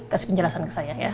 kasih penjelasan ke saya ya